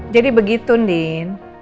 jadi begitu andin